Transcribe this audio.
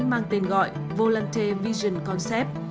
mang tên gọi volante vision concept